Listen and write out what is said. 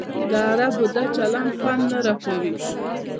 د عربو دا چلند خوند نه راکوي.